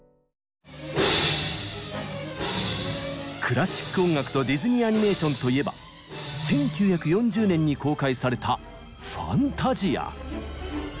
クラシック音楽とディズニーアニメーションといえば１９４０年に公開された「ファンタジア」。